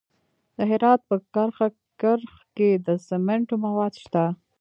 د هرات په کرخ کې د سمنټو مواد شته.